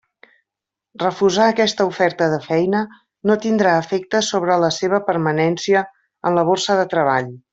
Refusar aquesta oferta de feina no tindrà efectes sobre la seva permanència en la borsa de treball.